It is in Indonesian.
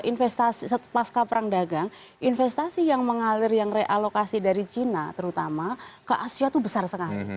investasi pasca perang dagang investasi yang mengalir yang realokasi dari cina terutama ke asia itu besar sekali